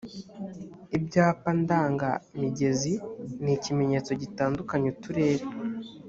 ibyapa ndanga migezi ni ikimenyetso gitandukanya uturere